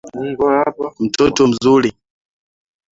Mtoto mzuri.